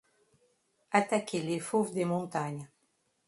Attaquer les fauves des montagnes…